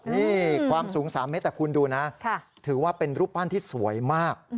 นี่ความสูง๓เมตรแต่คุณดูนะถือว่าเป็นรูปปั้นที่สวยมาก